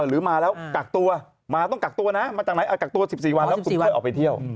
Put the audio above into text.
หรือมาแล้วกักตัวมาต้องกักตัวนะมาจากไหนกักตัว๑๔วันแล้วคุณเคยออกไปเที่ยว